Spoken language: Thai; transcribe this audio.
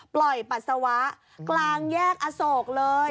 ปัสสาวะกลางแยกอโศกเลย